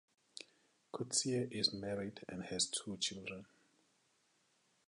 Coetzee is married and has two children.